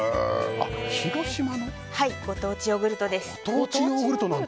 ご当地ヨーグルトです。